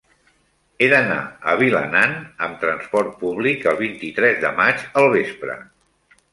He d'anar a Vilanant amb trasport públic el vint-i-tres de maig al vespre.